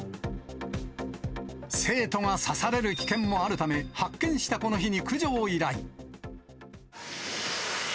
生徒が刺される危険もあるため、発見したこの日に駆除を依頼。